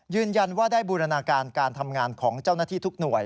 ยืนยันว่าได้บูรณาการการทำงานของเจ้าหน้าที่ทุกหน่วย